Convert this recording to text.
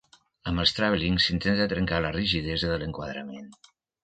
Amb els tràvelings s'intenta trencar la rigidesa de l'enquadrament.